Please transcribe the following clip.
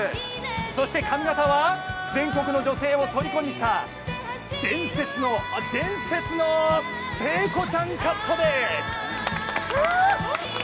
そして髪形は全国の女性をとりこにした伝説の聖子ちゃんカットです！